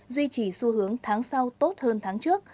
duy trì xu hướng tháng sau tốt hơn tháng trước